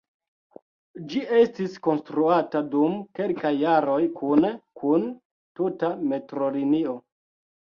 Ĝi estis konstruata dum kelkaj jaroj kune kun tuta metrolinio.